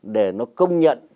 để nó công nhận